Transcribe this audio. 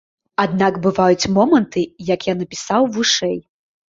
Аднак бываюць моманты, як я напісаў вышэй.